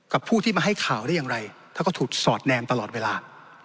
ผู้ที่มาให้ข่าวได้อย่างไรท่านก็ถูกสอดแนมตลอดเวลา